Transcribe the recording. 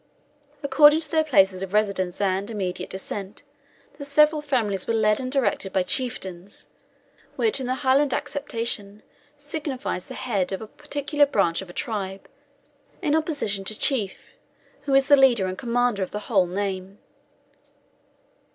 According to their places of residence and immediate descent, the several families were led and directed by Chieftains, which, in the Highland acceptation, signifies the head of a particular branch of a tribe, in opposition to Chief, who is the leader and commander of the whole name.